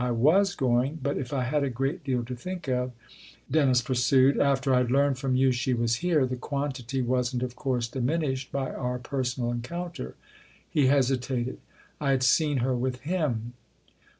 I was going, but if I had a great deal to think of," Dennis pursued, "after I had learned from you she was here, the quantity wasn't of course diminished by our personal en counter." He hesitated. " I had seen her with him.